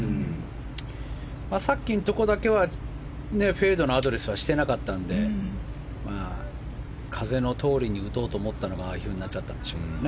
さっきのところだけはフェードのアドレスはしていなかったので風のとおりに打とうと思ったらああいうふうになっちゃったんでしょうね。